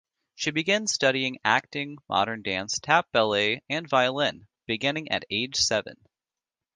She began studying acting, modern dance, tap, ballet and violin, beginning at age seven.